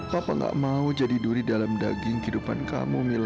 papa gak mau jadi duri dalam daging kehidupan kamu mila